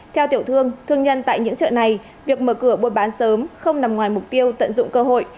theo tiểu thương thương nhân tại những chợ này việc mở cửa buôn bán sớm không nằm ngoài mục tiêu tận dụng cơ hội